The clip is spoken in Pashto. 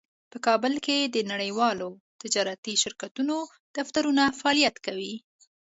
په کابل کې د نړیوالو تجارتي شرکتونو دفترونه فعالیت کوي